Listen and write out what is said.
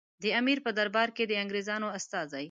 د امیر په دربار کې د انګریزانو استازي.